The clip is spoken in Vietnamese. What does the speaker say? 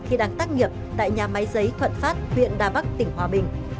khi đang tác nghiệp tại nhà máy giấy thuận pháp huyện đà bắc tỉnh hòa bình